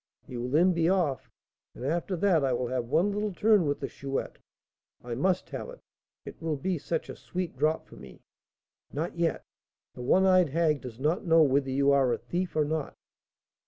He will then be off, and after that I will have one little turn with the Chouette. I must have it; it will be such a sweet drop for me." "Not yet; the one eyed hag does not know whether you are a thief or not?"